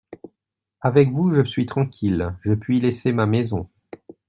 Avec vous je suis tranquille… je puis laisser ma maison…